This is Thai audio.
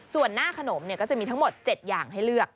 ส่วนหน้าขนมก็จะมีทั้งหมด๗อย่างให้เลือก